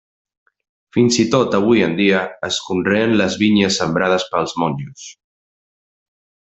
Fins i tot avui en dia es conreen les vinyes sembrades pels monjos.